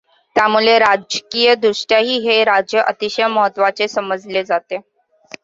त्यामुळे राजकीयदृष्ट्याही हे राज्य अतिशय महत्वाचे समजले जाते.